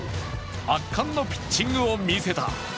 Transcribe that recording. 圧巻のピッチングを見せた。